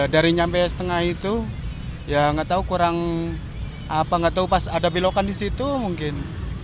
dari nyampe setengah itu ya gak tau kurang apa gak tau pas ada belokan disitu mungkin